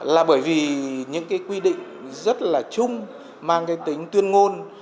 là bởi vì những cái quy định rất là chung mang cái tính tuyên ngôn